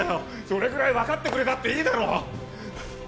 それぐらいわかってくれたっていいだろ！